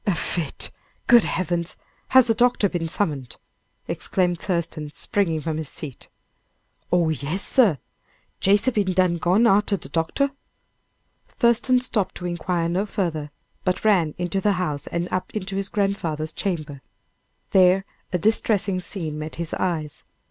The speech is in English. "A fit! good heavens! has a doctor been summoned?" exclaimed Thurston, springing from his seat. "Oh, yes, sir! Jase be done gone arter de doctor." Thurston stopped to inquire no farther, but ran into the house and up into his grandfather's chamber. There a distressing scene met his eyes.